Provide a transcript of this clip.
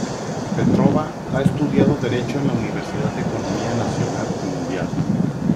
Petrova ha estudiado derecho en la Universidad de Economía Nacional y Mundial.